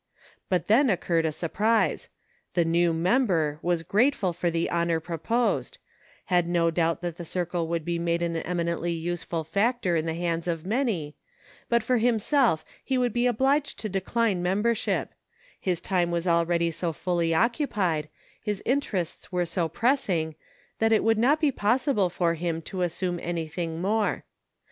But then occurred a surprise ; the "new member" was grateful for the honor pro posed ; had no doubt that the circle could be made an eminently useful factor in the hands of many, but for himself he would be obliged to de cline membership ; his time was already so fully occupied, his interests were so pressing, that it would not be possible for him to assume anything more.